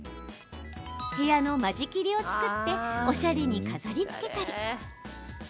部屋の間仕切りを作っておしゃれに飾りつけたり。